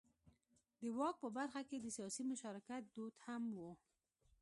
د واک په برخه کې د سیاسي مشارکت دود هم و.